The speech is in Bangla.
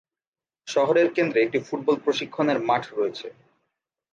শহরের কেন্দ্রে একটি ফুটবল প্রশিক্ষণের মাঠ রয়েছে।